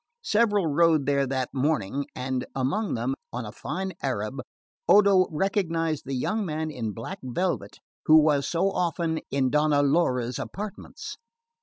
Several rode there that morning; and among them, on a fine Arab, Odo recognised the young man in black velvet who was so often in Donna Laura's apartments.